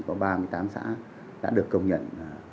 có ba mươi tám xã đã được công nhận